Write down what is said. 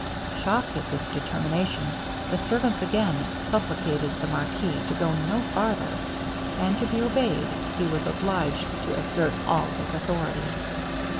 Shocked at this determination, the servants again supplicated the marquis to go no farther; and to be obeyed, he was obliged to exert all his authority.